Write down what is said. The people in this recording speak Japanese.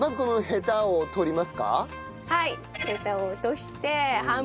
はい。